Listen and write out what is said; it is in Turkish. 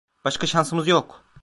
Başka şansımız yok.